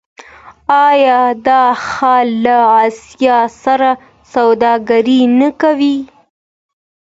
آیا دا ښار له اسیا سره سوداګري نه کوي؟